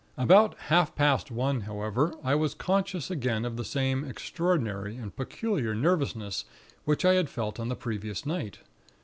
"About half past one, however, I was conscious again of the same extraordinary and peculiar nervousness, which I had felt on the previous night.